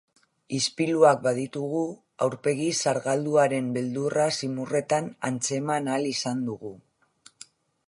Ispiluak baditugu, aurpegi zargalduaren beldurra zimurretan antzeman ahal izan dugu.